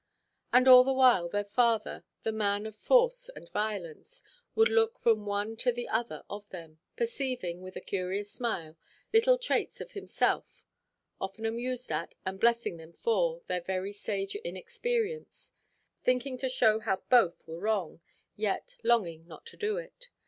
And all the while their father, the man of force and violence, would look from one to the other of them, perceiving, with a curious smile, little traits of himself; often amused at, and blessing them for, their very sage inexperience; thinking to show how both were wrong, yet longing not to do it.